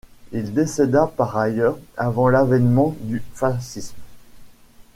Il décéda, par ailleurs, avant l'avènement du fascisme.